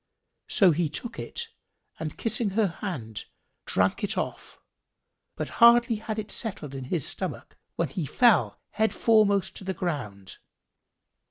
So he took it and kissing her hand, drank it off, but hardly had it settled in his stomach when he fell head foremost to the ground.